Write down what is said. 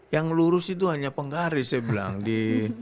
yang lurus itu hanya penggaris saya bilang di